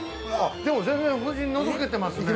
でも、全然、夫人、のぞけてますね。